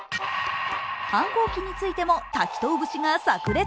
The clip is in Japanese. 反抗期についても滝藤節がさく裂。